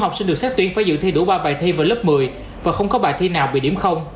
học sinh sẽ thi đủ ba bài thi vào lớp một mươi và không có bài thi nào bị điểm